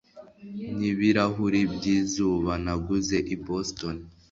nibirahuri byizuba naguze i boston